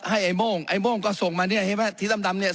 ไอ้โม่งไอ้โม่งก็ส่งมาเนี่ยเห็นไหมสีดำเนี่ย